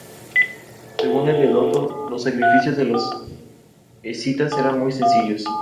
Según Heródoto los sacrificios de los escitas eran muy sencillos.